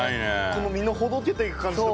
この身のほどけていく感じとか。